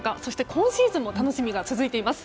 今シーズンも楽しみが続いています。